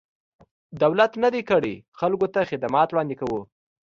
دولت نه دی کړی، خلکو ته خدمات وړاندې کوو.